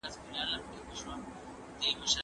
زه پرون لاس مينځلی و!!